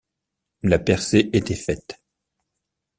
La percée était faite.